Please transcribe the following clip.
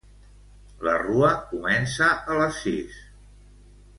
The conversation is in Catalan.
La rua comença a les sis.